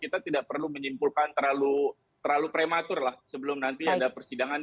kita tidak perlu menyimpulkan terlalu prematur lah sebelum nanti ada persidangan